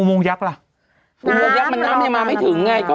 อุโมงยักษ์มันน้ำนี้มาไม่ถึงไง